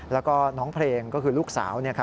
แล้วก็น้องเพลงก็คือลูกสาว